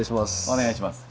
お願いします。